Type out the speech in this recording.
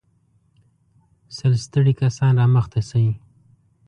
سل ستړي کسان را مخته شئ.